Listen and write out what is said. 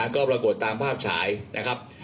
ก็ปรากฏตามภาพฉายนะครับ